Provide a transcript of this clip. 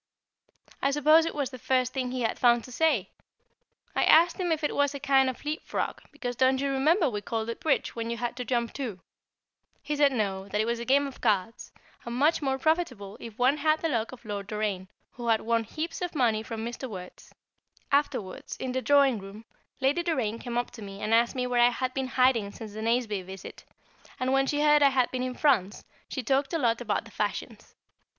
I suppose it was the first thing he had found to say! I asked him if it was a kind of leapfrog; because don't you remember we called it "Bridge" when you had to jump two? He said No; that it was a game of cards, and much more profitable if one had the luck of Lord Doraine, who had won heaps of money from Mr. Wertz. Afterwards, in the drawing room, Lady Doraine came up to me and asked me where I had been hiding since the Nazeby visit, and when she heard I had been in France, she talked a lot about the fashions.